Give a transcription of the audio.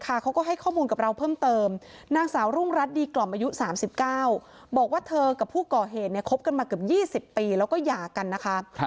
คดีกล่อมอายุ๓๙บอกว่าเธอกับผู้ก่อเหตุเนี่ยคบกันมากับ๒๐ปีแล้วก็หย่ากันนะคะ